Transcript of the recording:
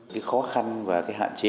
cái khó khăn và cái hạn chế